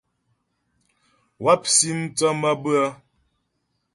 Wáp si mthə́ mabʉə́ə.